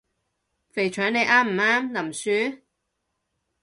肥腸你啱唔啱？林雪？